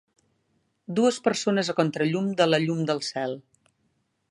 Dues persones a contrallum de la llum del cel.